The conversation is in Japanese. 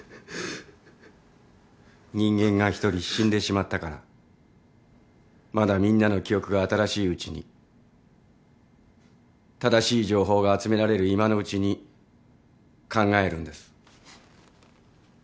人間が１人死んでしまったからまだみんなの記憶が新しいうちに正しい情報が集められる今のうちに考えるんです。